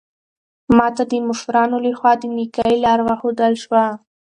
ما ته د مشرانو لخوا د نېکۍ لار وښودل شوه.